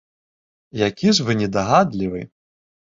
Які ж вы недагадлівы!